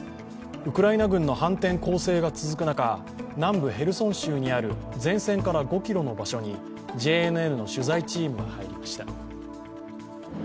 ウクライナ軍の反転攻勢が続く中、南部ヘルソン州にある５ｋｍの場所にＪＮＮの取材チームが入りました。